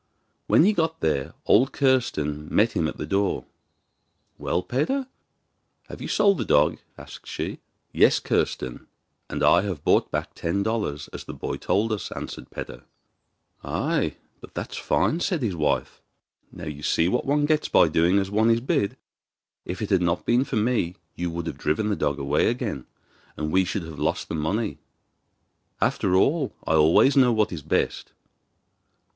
When he got there old Kirsten met him at the door. 'Well, Peder, and have you sold the dog?' asked she. 'Yes, Kirsten; and I have brought back ten dollars, as the boy told us,' answered Peder. 'Ay! but that's fine!' said his wife. 'Now you see what one gets by doing as one is bid; if it had not been for me you would have driven the dog away again, and we should have lost the money. After all, I always know what is best.